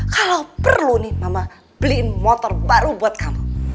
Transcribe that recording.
kalau perlu nih mama beliin motor baru buat kamu